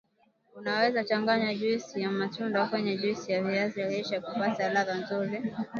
unaweza changanya juisi ya matunda kwenye juisi ya viazi lishe kupata ladha nzuri